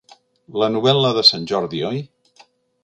La novel·la de Sant Jordi, oi?